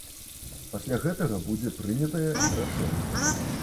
Пасля гэтага будзе прынятае рашэнне.